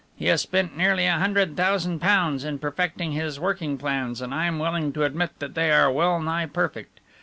He has spent nearly a hundred thousand pounds in perfecting his working plans, and I'm willing to admit that they are wellnigh perfect.